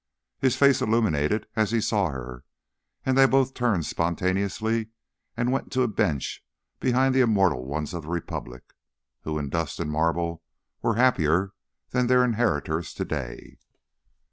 His face illuminated as he saw her, and they both turned spontaneously and went to a bench behind the immortal ones of the Republic, who in dust and marble were happier than their inheritors to day.